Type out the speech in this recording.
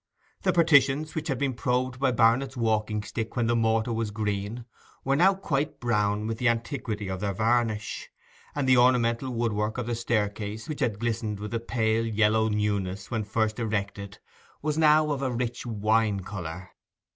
The partitions which had been probed by Barnet's walking stick when the mortar was green, were now quite brown with the antiquity of their varnish, and the ornamental woodwork of the staircase, which had glistened with a pale yellow newness when first erected, was now of a rich wine colour.